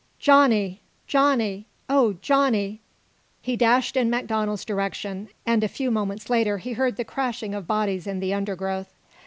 "Johnny! Johnny! Oh, Johnny!" He dashed in MacDonald's direction, and a few moments later heard the crashing of bodies in the undergrowth.